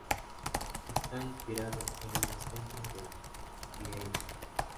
Está inspirado en una concha de vieira.